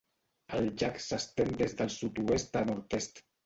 El llac s'estén des del sud-oest a nord-est.